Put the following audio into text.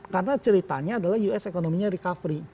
karena ceritanya adalah us ekonominya recovery